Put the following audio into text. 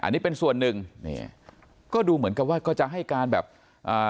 อันนี้เป็นส่วนหนึ่งนี่ก็ดูเหมือนกับว่าก็จะให้การแบบอ่า